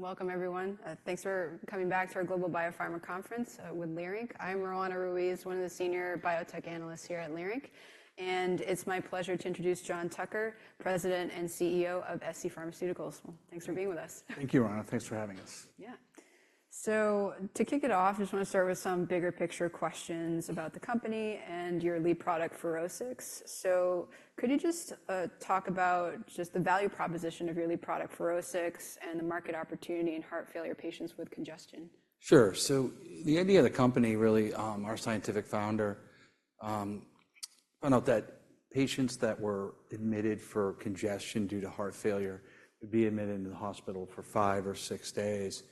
Welcome, everyone. Thanks for coming back to our Global BioPharma Conference with Leerink. I'm Roanna Ruiz, one of the senior biotech analysts here at Leerink. And it's my pleasure to introduce John Tucker, President and CEO of scPharmaceuticals. Thanks for being with us. Thank you, Roanna. Thanks for having us. Yeah. So to kick it off, I just want to start with some bigger picture questions about the company and your lead product, FUROSCIX. So could you just talk about just the value proposition of your lead product, FUROSCIX, and the market opportunity in heart failure patients with congestion? Sure. So the idea of the company, really, our scientific founder found out that patients that were admitted for congestion due to heart failure would be admitted into the hospital for five or six days.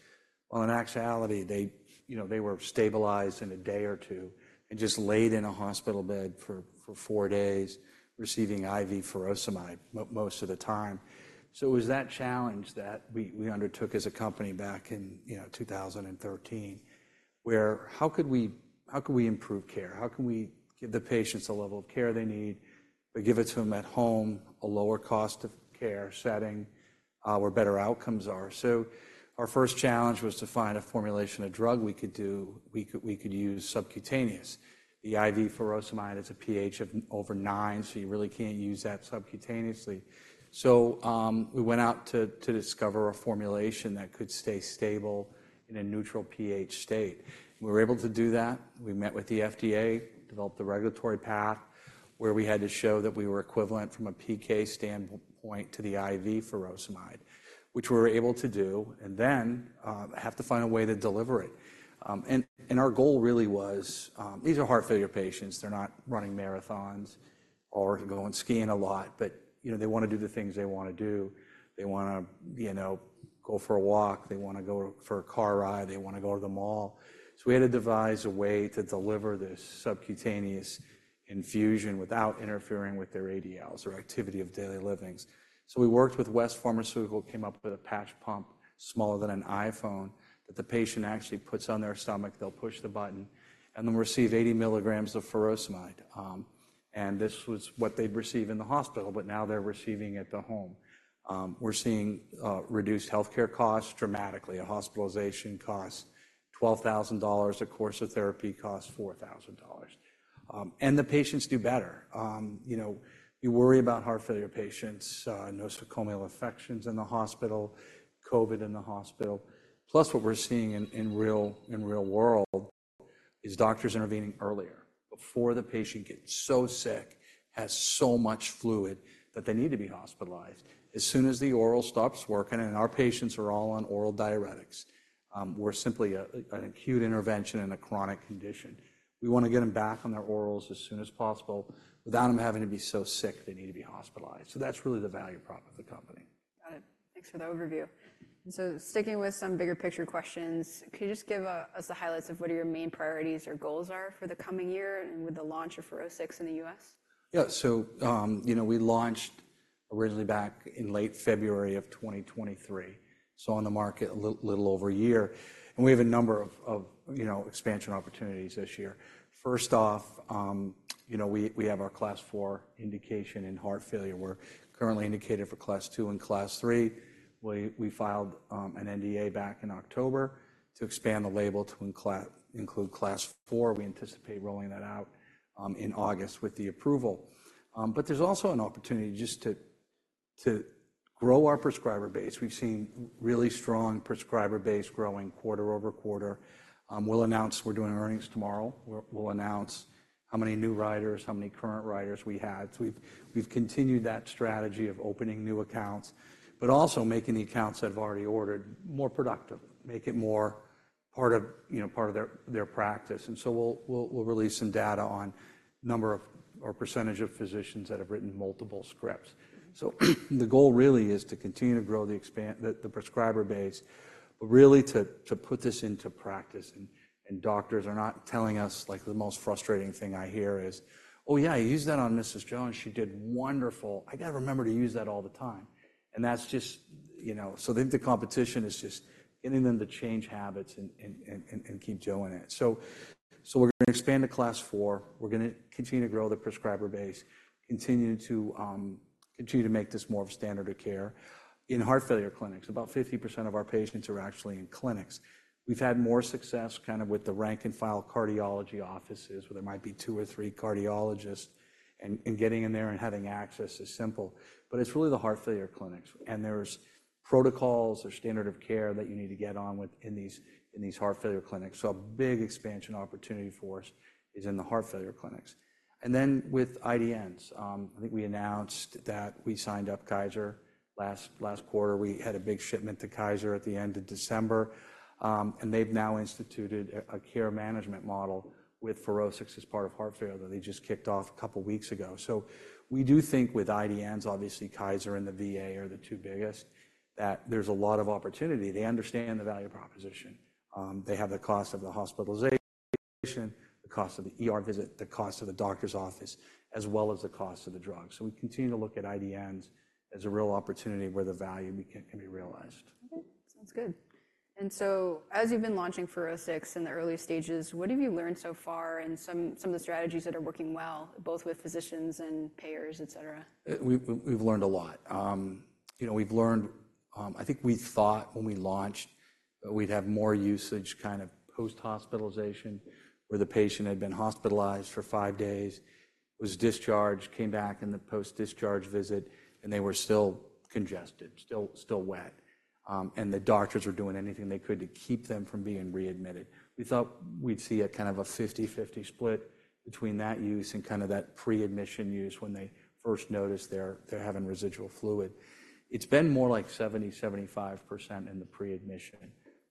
Well, in actuality, they were stabilized in a day or two and just laid in a hospital bed for four days, receiving IV furosemide most of the time. So it was that challenge that we undertook as a company back in 2013, where how could we improve care? How can we give the patients the level of care they need, but give it to them at home, a lower cost of care setting, where better outcomes are? So our first challenge was to find a formulation, a drug we could use subcutaneous. The IV furosemide is a pH of over 9, so you really can't use that subcutaneously. We went out to discover a formulation that could stay stable in a neutral pH state. We were able to do that. We met with the FDA, developed the regulatory path, where we had to show that we were equivalent from a PK standpoint to the IV furosemide, which we were able to do, and then have to find a way to deliver it. Our goal really was these are heart failure patients. They're not running marathons or going skiing a lot, but they want to do the things they want to do. They want to go for a walk. They want to go for a car ride. They want to go to the mall. We had to devise a way to deliver this subcutaneous infusion without interfering with their ADLs, their activity of daily living. So we worked with West Pharmaceutical, came up with a patch pump smaller than an iPhone that the patient actually puts on their stomach. They'll push the button, and they'll receive 80 mg of furosemide. And this was what they'd receive in the hospital, but now they're receiving it at the home. We're seeing reduced healthcare costs dramatically. A hospitalization costs $12,000. A course of therapy costs $4,000. And the patients do better. You worry about heart failure patients, no sequelae infections in the hospital, COVID in the hospital. Plus, what we're seeing in real world is doctors intervening earlier, before the patient gets so sick, has so much fluid that they need to be hospitalized. As soon as the oral stops working, and our patients are all on oral diuretics, we're simply an acute intervention in a chronic condition. We want to get them back on their orals as soon as possible without them having to be so sick they need to be hospitalized. So that's really the value prop of the company. Got it. Thanks for the overview. And so sticking with some bigger picture questions, could you just give us the highlights of what your main priorities or goals are for the coming year with the launch of FUROSCIX in the U.S.? Yeah. So we launched originally back in late February of 2023, so on the market a little over a year. And we have a number of expansion opportunities this year. First off, we have our Class IV indication in heart failure. We're currently indicated for Class II and Class III. We filed an NDA back in October to expand the label to include Class IV. We anticipate rolling that out in August with the approval. But there's also an opportunity just to grow our prescriber base. We've seen really strong prescriber base growing quarter-over-quarter. We'll announce we're doing earnings tomorrow. We'll announce how many new writers, how many current writers we had. So we've continued that strategy of opening new accounts, but also making the accounts that have already ordered more productive, make it more part of their practice. We'll release some data on number of or percentage of physicians that have written multiple scripts. The goal really is to continue to grow the prescriber base, but really to put this into practice. Doctors are not telling us, like the most frustrating thing I hear is, "Oh, yeah, you used that on Mrs. Joe. And she did wonderful. I got to remember to use that all the time." And that's just so the competition is just getting them to change habits and keep doing it. We're going to expand to Class IV. We're going to continue to grow the prescriber base, continue to make this more of a standard of care. In heart failure clinics, about 50% of our patients are actually in clinics. We've had more success kind of with the rank-and-file cardiology offices, where there might be two or three cardiologists, and getting in there and having access is simple. It's really the heart failure clinics. There's protocols or standard of care that you need to get on with in these heart failure clinics. A big expansion opportunity for us is in the heart failure clinics. Then with IDNs, I think we announced that we signed up Kaiser last quarter. We had a big shipment to Kaiser at the end of December. They've now instituted a care management model with FUROSCIX as part of heart failure that they just kicked off a couple of weeks ago. We do think with IDNs, obviously Kaiser and the VA are the two biggest, that there's a lot of opportunity. They understand the value proposition. They have the cost of the hospitalization, the cost of the visit, the cost of the doctor's office, as well as the cost of the drugs. We continue to look at IDNs as a real opportunity where the value can be realized. Okay. Sounds good. And so as you've been launching FUROSCIX in the early stages, what have you learned so far and some of the strategies that are working well, both with physicians and payers, et cetera? We've learned a lot. We've learned I think we thought when we launched, we'd have more usage kind of post-hospitalization, where the patient had been hospitalized for 5 days, was discharged, came back in the post-discharge visit, and they were still congested, still wet. And the doctors were doing anything they could to keep them from being readmitted. We thought we'd see a kind of a 50/50 split between that use and kind of that pre-admission use when they first noticed they're having residual fluid. It's been more like 70%-75% in the pre-admission.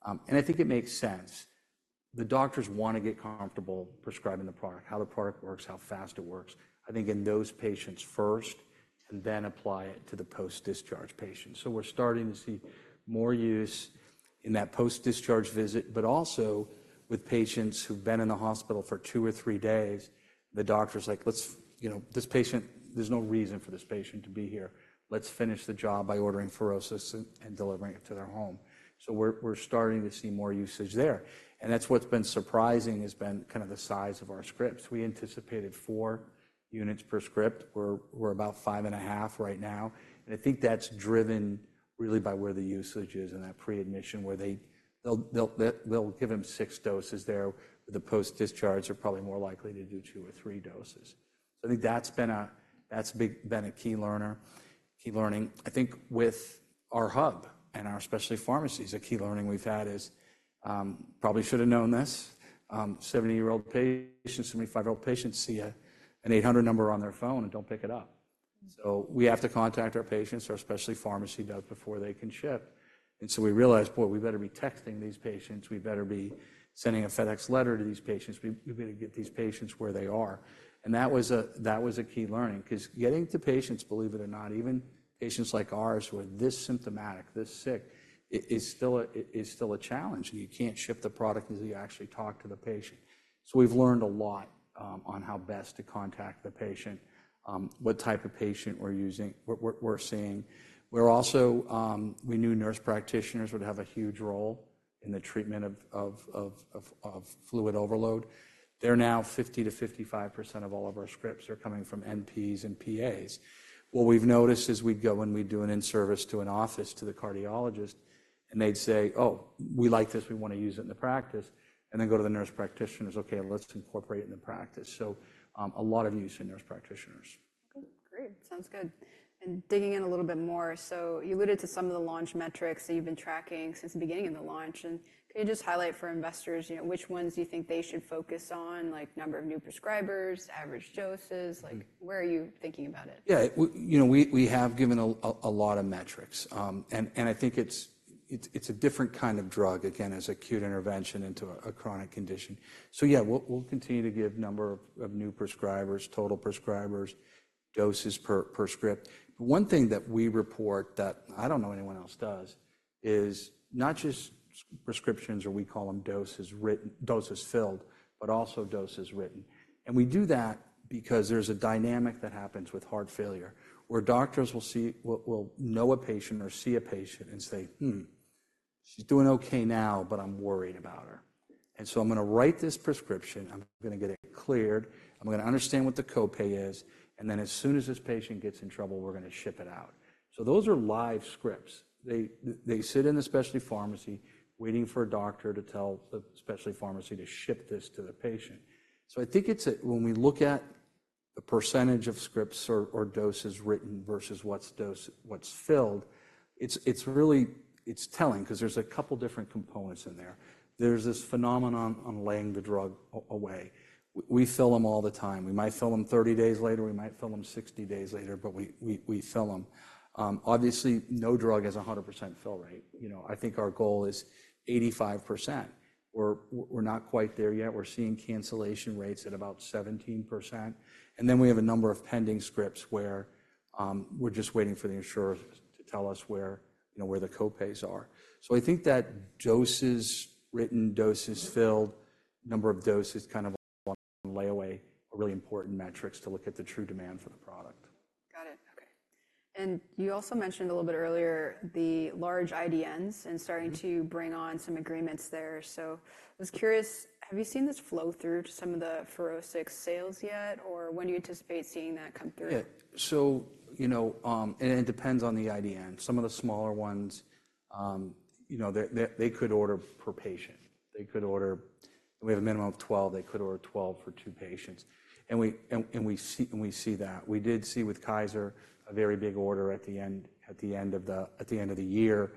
And I think it makes sense. The doctors want to get comfortable prescribing the product, how the product works, how fast it works, I think, in those patients first and then apply it to the post-discharge patients. So we're starting to see more use in that post-discharge visit, but also with patients who've been in the hospital for 2 or 3 days, the doctor's like, "Let's this patient there's no reason for this patient to be here. Let's finish the job by ordering furosemide and delivering it to their home." So we're starting to see more usage there. And that's what's been surprising has been kind of the size of our scripts. We anticipated 4 units per script. We're about 5.5 right now. And I think that's driven really by where the usage is in that pre-admission, where they'll give them 6 doses there. The post-discharges are probably more likely to do 2 or 3 doses. So I think that's been a key learner, key learning. I think with our hub and our specialty pharmacies, a key learning we've had is probably should have known this. 70-year-old patients, 75-year-old patients see an 800 number on their phone and don't pick it up. So we have to contact our patients. Our specialty pharmacy does before they can ship. And so we realized, "Boy, we better be texting these patients. We better be sending a FedEx letter to these patients. We better get these patients where they are." And that was a key learning because getting to patients, believe it or not, even patients like ours who are this symptomatic, this sick, is still a challenge. And you can't ship the product until you actually talk to the patient. So we've learned a lot on how best to contact the patient, what type of patient we're using, we're seeing. We also knew nurse practitioners would have a huge role in the treatment of fluid overload. They're now 50%-55% of all of our scripts are coming from NPs and PAs. What we've noticed is we'd go and we'd do an in-service to an office, to the cardiologist, and they'd say, "Oh, we like this. We want to use it in the practice." And then go to the nurse practitioners. "Okay, let's incorporate it in the practice." So a lot of use in nurse practitioners. Okay. Great. Sounds good. And digging in a little bit more. So you alluded to some of the launch metrics that you've been tracking since the beginning of the launch. And can you just highlight for investors which ones do you think they should focus on, like number of new prescribers, average doses? Where are you thinking about it? Yeah. We have given a lot of metrics. And I think it's a different kind of drug, again, as acute intervention into a chronic condition. So yeah, we'll continue to give number of new prescribers, total prescribers, doses per script. One thing that we report that I don't know anyone else does is not just prescriptions, or we call them doses filled, but also doses written. And we do that because there's a dynamic that happens with heart failure, where doctors will know a patient or see a patient and say, she's doing okay now, but I'm worried about her. And so I'm going to write this prescription. I'm going to get it cleared. I'm going to understand what the copay is. And then as soon as this patient gets in trouble, we're going to ship it out. So those are live scripts. They sit in the specialty pharmacy waiting for a doctor to tell the specialty pharmacy to ship this to the patient. So I think it's when we look at the percentage of scripts or doses written versus what's filled, it's really telling because there's a couple of different components in there. There's this phenomenon on laying the drug away. We fill them all the time. We might fill them 30 days later. We might fill them 60 days later, but we fill them. Obviously, no drug has a 100% fill rate. I think our goal is 85%. We're not quite there yet. We're seeing cancellation rates at about 17%. And then we have a number of pending scripts where we're just waiting for the insurers to tell us where the copays are. I think that doses written, doses filled, number of doses kind of on layaway are really important metrics to look at the true demand for the product. Got it. Okay. You also mentioned a little bit earlier the large IDNs and starting to bring on some agreements there. I was curious, have you seen this flow through to some of the FUROSCIX sales yet, or when do you anticipate seeing that come through? Yeah. So and it depends on the IDN. Some of the smaller ones, they could order per patient. They could order and we have a minimum of 12. They could order 12 for 2 patients. And we see that. We did see with Kaiser a very big order at the end of the year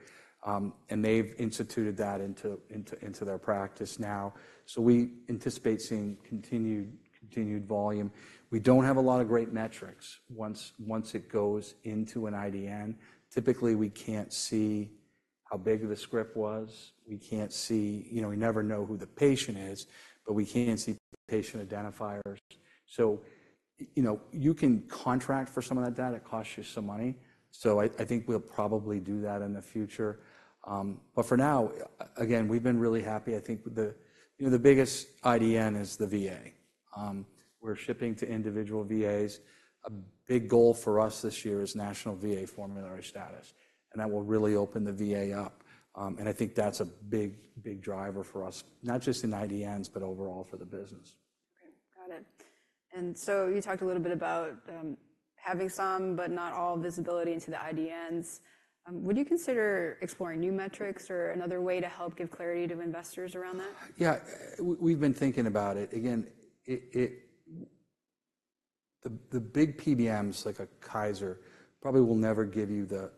and they've instituted that into their practice now. So we anticipate seeing continued volume. We don't have a lot of great metrics once it goes into an IDN. Typically, we can't see how big the script was. We can't see we never know who the patient is, but we can see patient identifiers. So you can contract for some of that data. It costs you some money. So I think we'll probably do that in the future. But for now, again, we've been really happy. I think the biggest IDN is the VA. We're shipping to individual VAs. A big goal for us this year is national VA formulary status. That will really open the VA up. I think that's a big driver for us, not just in IDNs, but overall for the business. Okay. Got it. And so you talked a little bit about having some, but not all, visibility into the IDNs. Would you consider exploring new metrics or another way to help give clarity to investors around that? Yeah. We've been thinking about it. Again, the big PBMs like a Kaiser probably will never give you the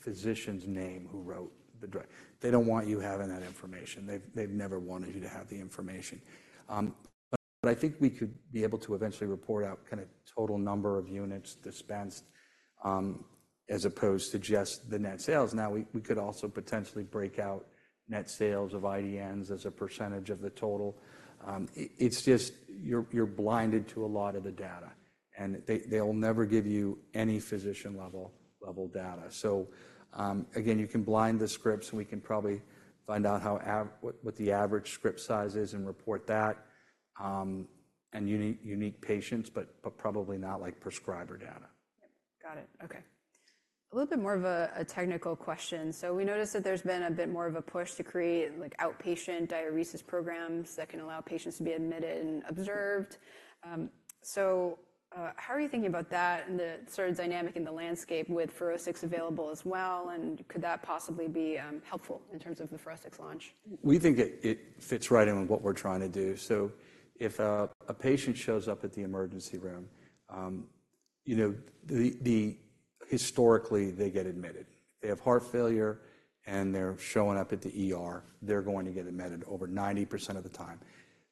physician's name who wrote the drug. They don't want you having that information. They've never wanted you to have the information. But I think we could be able to eventually report out kind of total number of units dispensed as opposed to just the net sales. Now, we could also potentially break out net sales of IDNs as a percentage of the total. It's just you're blinded to a lot of the data. And they'll never give you any physician-level data. So again, you can blind the scripts and we can probably find out what the average script size is and report that and unique patients, but probably not prescriber data. Yep. Got it. Okay. A little bit more of a technical question. So we noticed that there's been a bit more of a push to create outpatient diuresis programs that can allow patients to be admitted and observed. So how are you thinking about that and the sort of dynamic in the landscape with FUROSCIX available as well? And could that possibly be helpful in terms of the FUROSCIX launch? We think it fits right in with what we're trying to do. So if a patient shows up at the emergency room, historically, they get admitted. They have heart failure and they're showing up at the, they're going to get admitted over 90% of the time.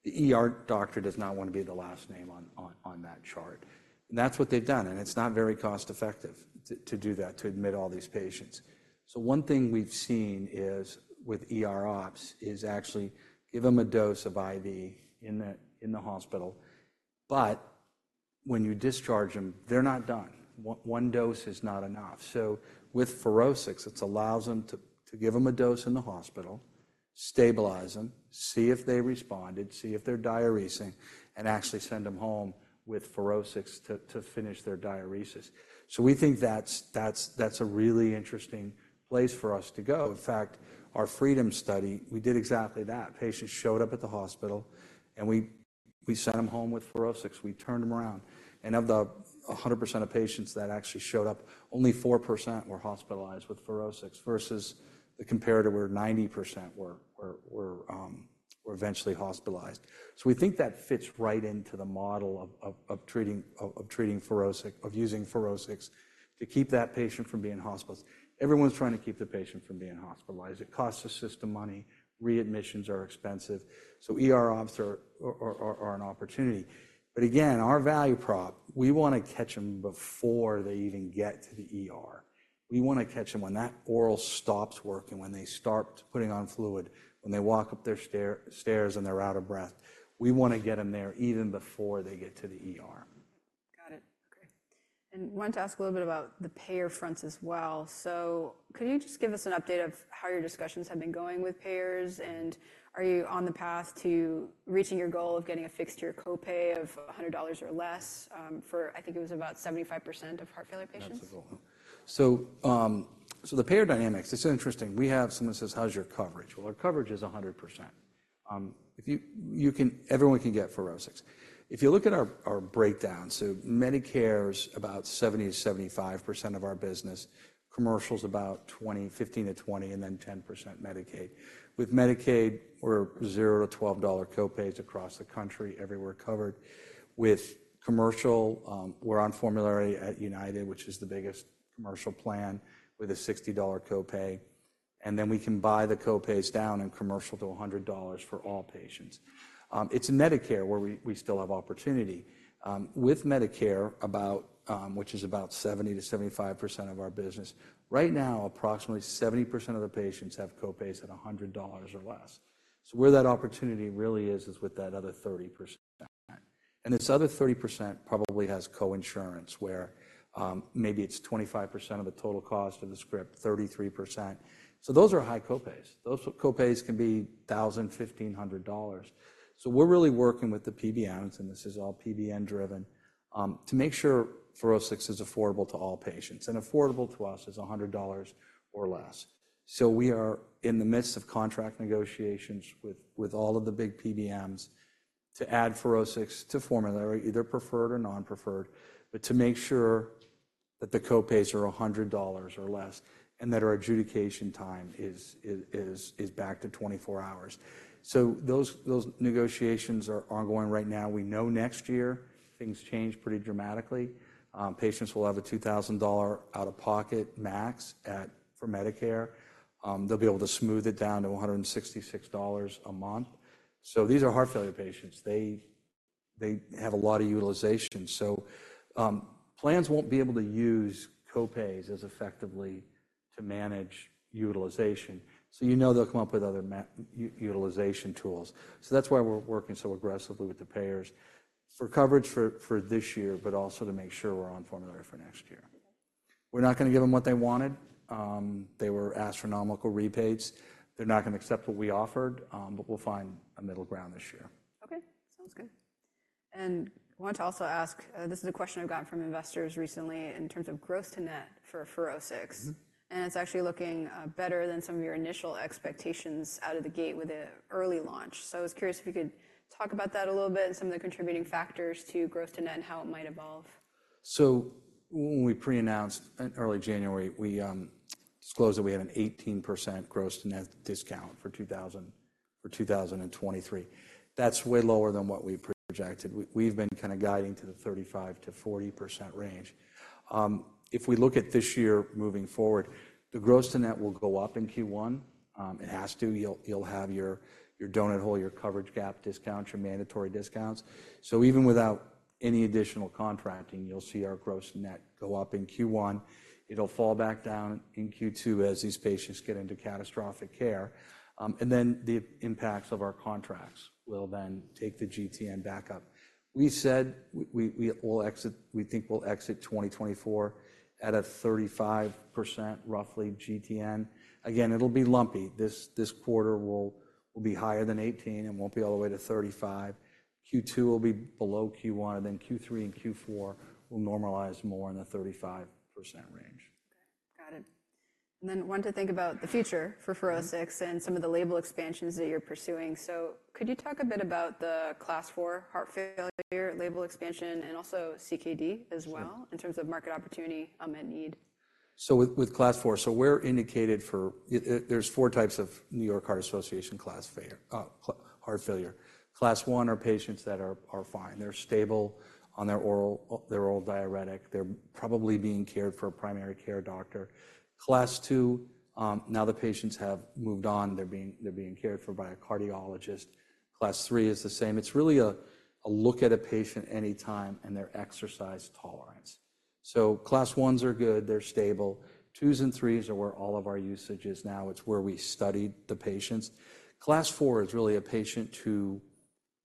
The doctor does not want to be the last name on that chart. That's what they've done. It's not very cost-effective to do that, to admit all these patients. So one thing we've seen is with ops is actually give them a dose of IV in the hospital. But when you discharge them, they're not done. One dose is not enough. So with FUROSCIX, it allows them to give them a dose in the hospital, stabilize them, see if they responded, see if they're diuresing, and actually send them home with FUROSCIX to finish their diuresis. So we think that's a really interesting place for us to go. In fact, our Freedom study, we did exactly that. Patients showed up at the hospital and we sent them home with FUROSCIX. We turned them around. And of the 100% of patients that actually showed up, only 4% were hospitalized with FUROSCIX versus the comparator where 90% were eventually hospitalized. So we think that fits right into the model of treating FUROSCIX, of using FUROSCIX to keep that patient from being hospitalized. Everyone's trying to keep the patient from being hospitalized. It costs the system money. Readmissions are expensive. So ops are an opportunity. But again, our value prop. We want to catch them when that oral stops working, when they start putting on fluid, when they walk up their stairs and they're out of breath. We want to get them there even before they get to the Got it. Okay. And wanted to ask a little bit about the payer fronts as well. So could you just give us an update of how your discussions have been going with payers? And are you on the path to reaching your goal of getting a fixed-year copay of $100 or less for, I think it was about 75% of heart failure patients? That's a good one. So the payer dynamics, it's so interesting. We have someone says, "How's your coverage?" Well, our coverage is 100%. Everyone can get FUROSCIX. If you look at our breakdown, so Medicare's about 70%-75% of our business, commercial's about 15%-20%, and then 10% Medicaid. With Medicaid, we're $0-$12 copays across the country, everywhere covered. With commercial, we're on formulary at United, which is the biggest commercial plan with a $60 copay. And then we can buy the copays down in commercial to $100 for all patients. It's in Medicare where we still have opportunity. With Medicare, which is about 70%-75% of our business, right now, approximately 70% of the patients have copays at $100 or less. So where that opportunity really is is with that other 30%. This other 30% probably has co-insurance where maybe it's 25% of the total cost of the script, 33%. So those are high copays. Those copays can be $1,000, $1,500. So we're really working with the PBMs, and this is all PBM-driven, to make sure FUROSCIX is affordable to all patients. And affordable to us is $100 or less. So we are in the midst of contract negotiations with all of the big PBMs to add FUROSCIX to formulary, either preferred or non-preferred, but to make sure that the copays are $100 or less and that our adjudication time is back to 24 hours. So those negotiations are ongoing right now. We know next year, things change pretty dramatically. Patients will have a $2,000 out-of-pocket max for Medicare. They'll be able to smooth it down to $166 a month. So these are heart failure patients. They have a lot of utilization. So plans won't be able to use copays as effectively to manage utilization. So you know they'll come up with other utilization tools. So that's why we're working so aggressively with the payers for coverage for this year, but also to make sure we're on formulary for next year. We're not going to give them what they wanted. They were astronomical rebates. They're not going to accept what we offered, but we'll find a middle ground this year. Okay. Sounds good. I wanted to also ask, this is a question I've gotten from investors recently in terms of gross to net for FUROSCIX. And it's actually looking better than some of your initial expectations out of the gate with the early launch. I was curious if you could talk about that a little bit and some of the contributing factors to gross to net and how it might evolve. So when we pre-announced in early January, we disclosed that we had an 18% growth to net discount for 2023. That's way lower than what we projected. We've been kind of guiding to the 35%-40% range. If we look at this year moving forward, the growth to net will go up in Q1. It has to. You'll have your donut hole, your coverage gap discount, your mandatory discounts. So even without any additional contracting, you'll see our growth to net go up in Q1. It'll fall back down in Q2 as these patients get into catastrophic care. And then the impacts of our contracts will then take the GTN back up. We said we think we'll exit 2024 at a 35%, roughly, GTN. Again, it'll be lumpy. This quarter will be higher than 18% and won't be all the way to 35%. Q2 will be below Q1, and then Q3 and Q4 will normalize more in the 35% range. Okay. Got it. And then wanted to think about the future for FUROSCIX and some of the label expansions that you're pursuing. So could you talk a bit about the Class 4 heart failure label expansion and also CKD as well in terms of market opportunity and need? So with Class 4, so we're indicated for. There's four types of New York Heart Association Class heart failure. Class 1 are patients that are fine. They're stable on their oral diuretic. They're probably being cared for by a primary care doctor. Class 2, now the patients have moved on. They're being cared for by a cardiologist. Class 3 is the same. It's really a look at a patient anytime and their exercise tolerance. So Class 1s are good. They're stable. 2s and 3s are where all of our usage is now. It's where we study the patients. Class 4 is really a patient who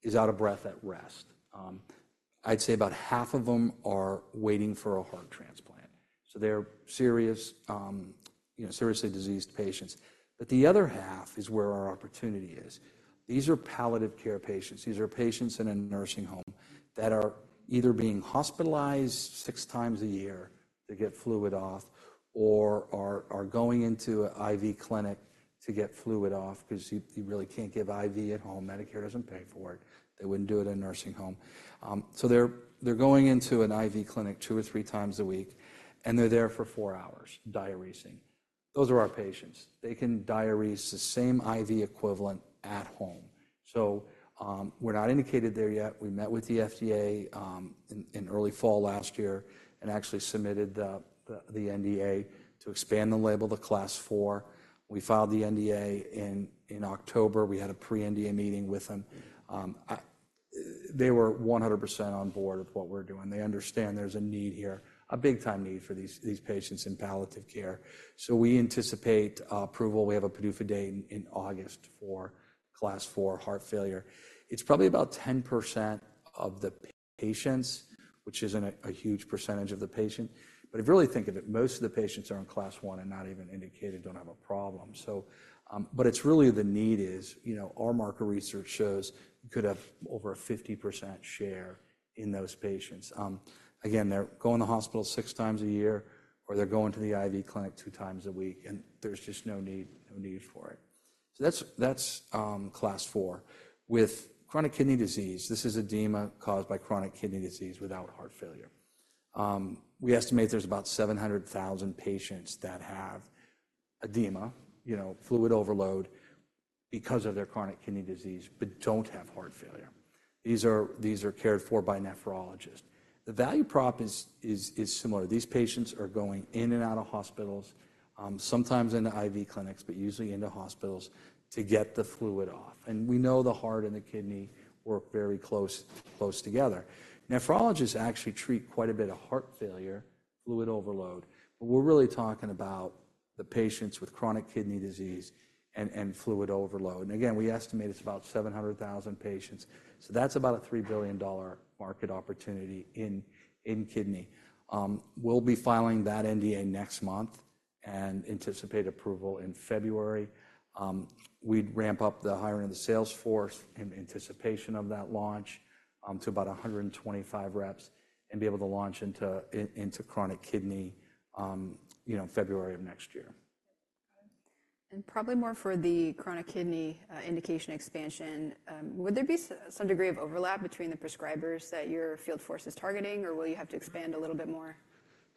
is out of breath at rest. I'd say about half of them are waiting for a heart transplant. So they're seriously diseased patients. But the other half is where our opportunity is. These are palliative care patients. These are patients in a nursing home that are either being hospitalized 6 times a year to get fluid off or are going into an IV clinic to get fluid off because you really can't give IV at home. Medicare doesn't pay for it. They wouldn't do it in a nursing home. So they're going into an IV clinic 2 or 3 times a week and they're there for 4 hours diuresing. Those are our patients. They can diurese the same IV equivalent at home. So we're not indicated there yet. We met with the FDA in early fall last year and actually submitted the NDA to expand the label to Class 4. We filed the NDA in October. We had a pre-NDA meeting with them. They were 100% on board with what we're doing. They understand there's a need here, a big-time need for these patients in palliative care. So we anticipate approval. We have a PDUFA date in August for Class 4 heart failure. It's probably about 10% of the patients, which isn't a huge percentage of the patients. But if you really think of it, most of the patients are in Class 1 and not even indicated, don't have a problem. But it's really the need is our market research shows you could have over a 50% share in those patients. Again, they're going to the hospital six times a year or they're going to the IV clinic two times a week and there's just no need for it. So that's Class 4. With chronic kidney disease, this is edema caused by chronic kidney disease without heart failure. We estimate there's about 700,000 patients that have edema, fluid overload because of their chronic kidney disease, but don't have heart failure. These are cared for by nephrologists. The value prop is similar. These patients are going in and out of hospitals, sometimes into IV clinics, but usually into hospitals to get the fluid off. And we know the heart and the kidney work very close together. Nephrologists actually treat quite a bit of heart failure, fluid overload, but we're really talking about the patients with chronic kidney disease and fluid overload. And again, we estimate it's about 700,000 patients. So that's about a $3 billion market opportunity in kidney. We'll be filing that NDA next month and anticipate approval in February. We'd ramp up the hiring of the sales force in anticipation of that launch to about 125 reps and be able to launch into chronic kidney February of next year. Got it. Probably more for the chronic kidney indication expansion, would there be some degree of overlap between the prescribers that your field force is targeting or will you have to expand a little bit more?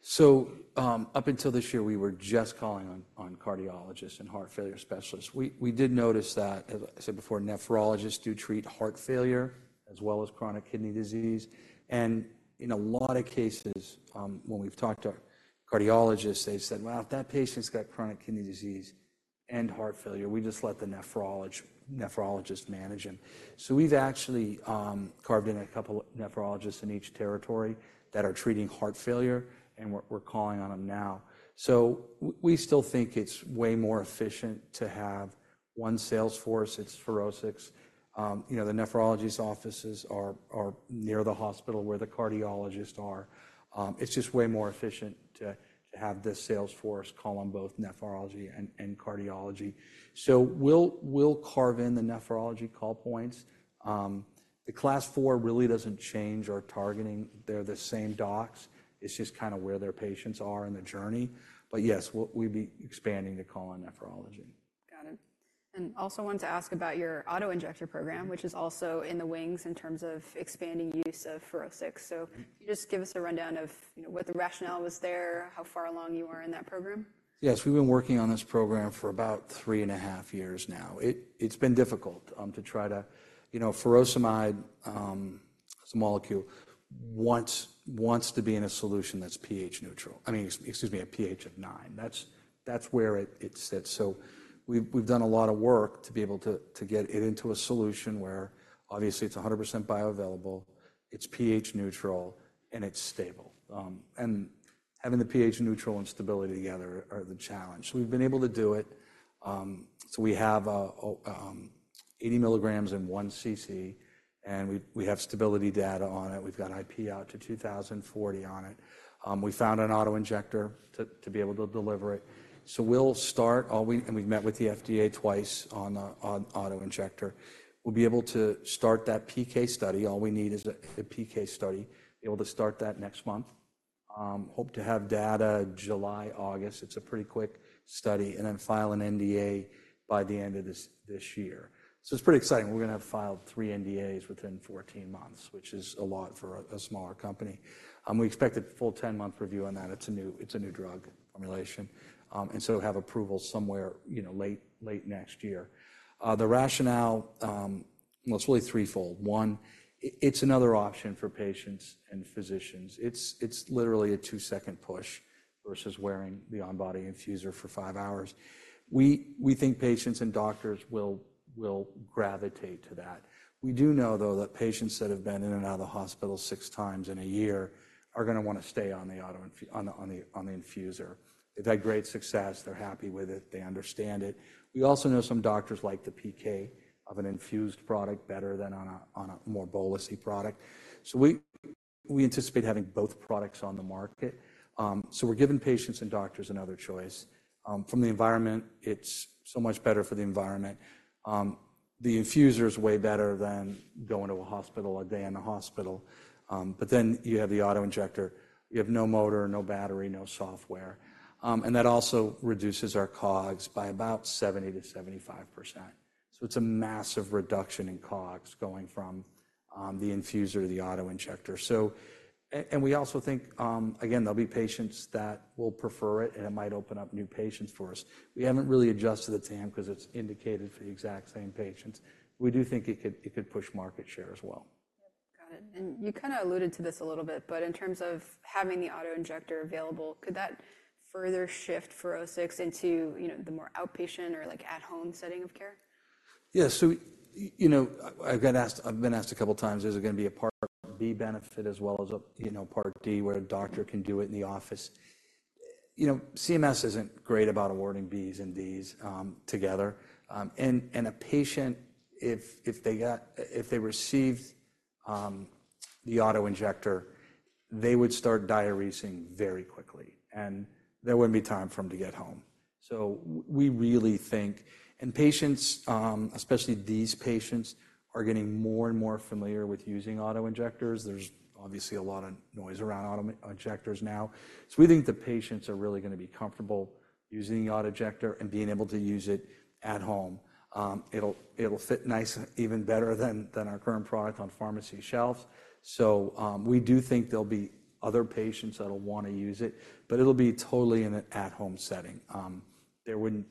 So up until this year, we were just calling on cardiologists and heart failure specialists. We did notice that, as I said before, nephrologists do treat heart failure as well as chronic kidney disease. And in a lot of cases, when we've talked to cardiologists, they've said, "Well, if that patient's got chronic kidney disease and heart failure, we just let the nephrologist manage him." So we've actually carved in a couple of nephrologists in each territory that are treating heart failure and we're calling on them now. So we still think it's way more efficient to have one sales force. It's FUROSCIX. The nephrologists' offices are near the hospital where the cardiologists are. It's just way more efficient to have this sales force call on both nephrology and cardiology. So we'll carve in the nephrology call points. The Class IV really doesn't change our targeting. They're the same docs. It's just kind of where their patients are in the journey. But yes, we'd be expanding to call on nephrology. Got it. And also wanted to ask about your autoinjector program, which is also in the wings in terms of expanding use of FUROSCIX. So can you just give us a rundown of what the rationale was there, how far along you are in that program? Yes. We've been working on this program for about 3.5 years now. It's been difficult to try to furosemide, it's a molecule, wants to be in a solution that's pH neutral. I mean, excuse me, a pH of 9. That's where it sits. So we've done a lot of work to be able to get it into a solution where obviously it's 100% bioavailable, it's pH neutral, and it's stable. And having the pH neutral and stability together are the challenge. So we've been able to do it. So we have 80 milligrams in one cc and we have stability data on it. We've got IP out to 2040 on it. We found an autoinjector to be able to deliver it. So we'll start, and we've met with the FDA twice on the autoinjector, we'll be able to start that PK study. All we need is a PK study, be able to start that next month. Hope to have data July, August. It's a pretty quick study and then file an NDA by the end of this year. So it's pretty exciting. We're going to have filed 3 NDAs within 14 months, which is a lot for a smaller company. We expect a full 10-month review on that. It's a new drug formulation. And so have approval somewhere late next year. The rationale, well, it's really threefold. One, it's another option for patients and physicians. It's literally a 2-second push versus wearing the on-body infuser for 5 hours. We think patients and doctors will gravitate to that. We do know, though, that patients that have been in and out of the hospital 6 times in a year are going to want to stay on the infuser. They've had great success. They're happy with it. They understand it. We also know some doctors like the PK of an infused product better than on a more bolusy product. So we anticipate having both products on the market. So we're giving patients and doctors another choice. From the environment, it's so much better for the environment. The infuser is way better than going to a hospital a day in the hospital. But then you have the autoinjector. You have no motor, no battery, no software. And that also reduces our COGS by about 70%-75%. So it's a massive reduction in COGS going from the infuser to the autoinjector. And we also think, again, there'll be patients that will prefer it and it might open up new patients for us. We haven't really adjusted the TAM because it's indicated for the exact same patients. We do think it could push market share as well. Yep. Got it. And you kind of alluded to this a little bit, but in terms of having the autoinjector available, could that further shift FUROSCIX into the more outpatient or at-home setting of care? Yeah. So I've been asked a couple of times, is it going to be a Part B benefit as well as Part D where a doctor can do it in the office? CMS isn't great about awarding Bs and Ds together. And a patient, if they received the autoinjector, they would start diuresing very quickly and there wouldn't be time for them to get home. So we really think, and patients, especially these patients, are getting more and more familiar with using autoinjectors. There's obviously a lot of noise around autoinjectors now. So we think the patients are really going to be comfortable using the autoinjector and being able to use it at home. It'll fit nice, even better than our current product on pharmacy shelves. So we do think there'll be other patients that'll want to use it, but it'll be totally in an at-home setting. We wouldn't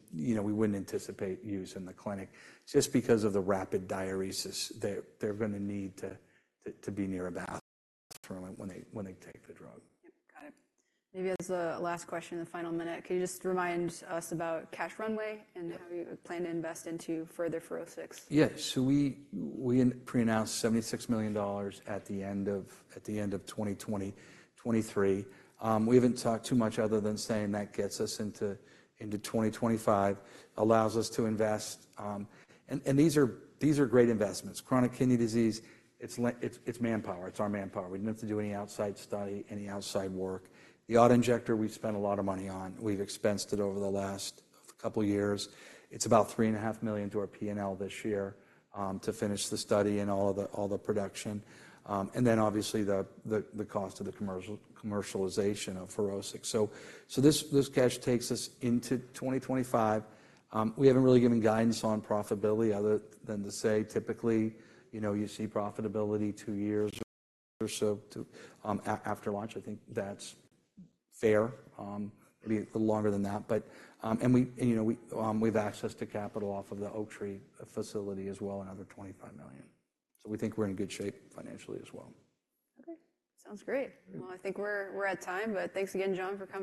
anticipate use in the clinic just because of the rapid diuresis. They're going to need to be near a bathroom when they take the drug. Yep. Got it. Maybe as a last question in the final minute, can you just remind us about cash runway and how you plan to invest into further FUROSCIX? Yes. So we pre-announced $76 million at the end of 2023. We haven't talked too much other than saying that gets us into 2025, allows us to invest. And these are great investments. Chronic kidney disease, it's manpower. It's our manpower. We didn't have to do any outside study, any outside work. The autoinjector, we've spent a lot of money on. We've expensed it over the last couple of years. It's about $3.5 million to our P&L this year to finish the study and all the production. And then obviously the cost of the commercialization of FUROSCIX. So this cash takes us into 2025. We haven't really given guidance on profitability other than to say typically you see profitability two years or so after launch. I think that's fair. Maybe longer than that. We've access to capital off of the Oaktree facility as well, another $25 million. We think we're in good shape financially as well. Okay. Sounds great. Well, I think we're at time, but thanks again, John, for coming.